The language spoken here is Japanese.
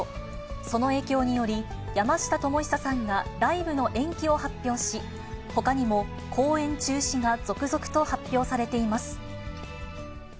その影響により、山下智久さんがライブの延期を発表し、ほかにも公演中止が続々と発表されています。